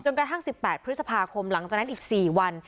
จนกระทั่งสิบแปดพฤษภาคมหลังจากนั้นอีกสี่วัน